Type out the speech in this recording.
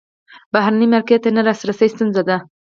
بهرني مارکیټ ته نه لاسرسی ستونزه ده.